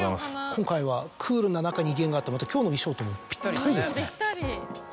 今回はクールな中に威厳があってまた今日の衣装ともピッタリですね。